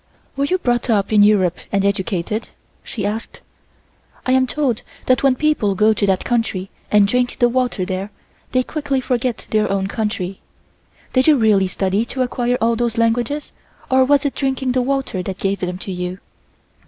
"Were you brought up in Europe and educated?" she asked. "I am told that when people go to that country and drink the water there, they quickly forget their own country. Did you really study to acquire all those languages or was it drinking the water that gave them to you?"